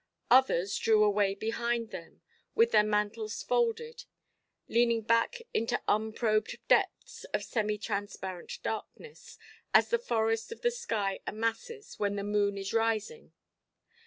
Others drew away behind them, with their mantles folded, leaning back into unprobed depths of semitransparent darkness, as the forest of the sky amasses, when the moon is rising.